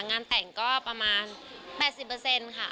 งานแต่งก็ประมาณ๘๐ค่ะ